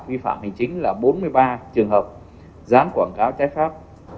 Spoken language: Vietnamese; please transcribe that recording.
vi phạm hành chính là bốn mươi ba trường hợp dán quảng cáo trái phép